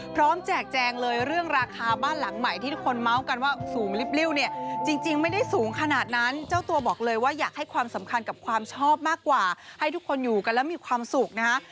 แจกแจงเลยเรื่องราคาบ้านหลังใหม่ที่ทุกคนเมาส์กันว่าสูงลิปลิ้วเนี่ยจริงไม่ได้สูงขนาดนั้นเจ้าตัวบอกเลยว่าอยากให้ความสำคัญกับความชอบมากกว่าให้ทุกคนอยู่กันแล้วมีความสุขนะฮะ